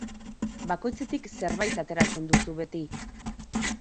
Bakoitzetik zerbait ateratzen duzu beti.